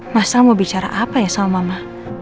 mas sal mau bicara apa ya sama mama